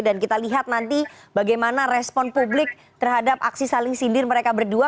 kita lihat nanti bagaimana respon publik terhadap aksi saling sindir mereka berdua